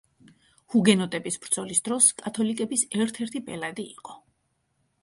ჰუგენოტების ბრძოლის დროს კათოლიკების ერთ-ერთი ბელადი იყო.